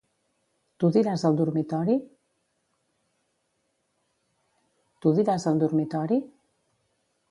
Tu diràs al dormitori?